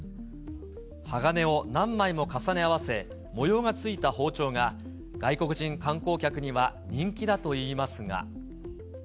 鋼を何枚も重ね合わせ、模様がついた包丁が、外国人観光客には人気だといいますが。